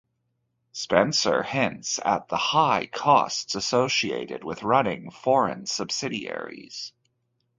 Spencer hints at the high costs associated with running foreign subsidiaries.